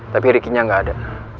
tapi ricky nya nggak ada